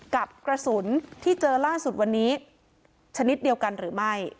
กระสุนที่เจอล่าสุดวันนี้ชนิดเดียวกันหรือไม่